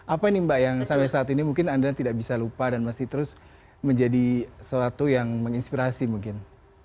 apa ini mbak yang sampai saat ini mungkin anda tidak bisa lupa dan masih terus menjadi sesuatu yang menginspirasi mungkin